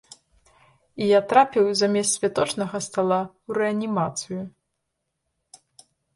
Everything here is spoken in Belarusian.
І я трапіў замест святочнага стала ў рэанімацыю.